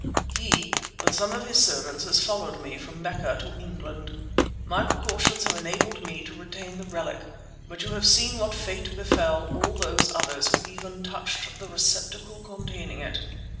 He, with some of his servants, has followed me from Mecca to England. My precautions have enabled me to retain the relic, but you have seen what fate befell all those others who even touched the receptacle containing it.